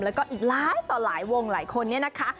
แล้วก็อีกหลายต่อหลายวงหลายคนเนี่ยนะคะ